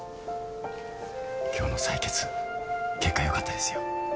今日の採血結果良かったですよ。